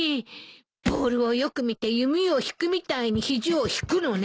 ボールをよく見て弓を引くみたいに肘を引くのね。